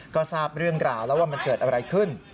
ก็ทราบเรื่องราวแล้วว่ามันเกิดอะไรขึ้น